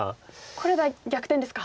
これは逆転ですか。